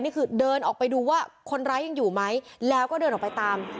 นี่คือเดินออกไปดูว่าคนร้ายยังอยู่ไหมแล้วก็เดินออกไปตาม